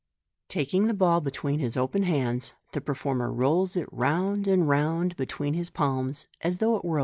— Taking the ball between his opeu hands, the performer rolls it round and round between his palms, as though it wire a